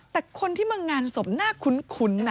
แต่คนที่มางานศพน่าคุ้นนะ